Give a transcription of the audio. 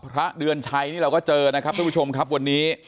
พระเดือนชัยนี่เราก็เจอนะครับทุกผู้ชมครับวันนี้